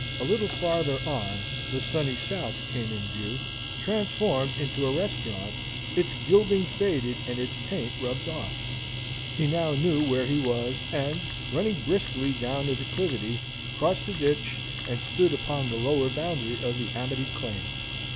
A little farther on, "The Sunny South" came in view, transformed into a restaurant, its gilding faded and its paint rubbed off. He now knew where he was; and, running briskly down a declivity, crossed a ditch, and stood upon the lower boundary of the Amity Claim.